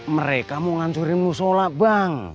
mereka mau ngajurin mushollah bang